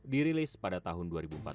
dirilis pada tahun dua ribu empat belas